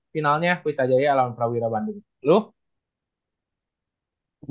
finalnya wita jaya lawan prawira bandung